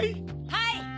はい。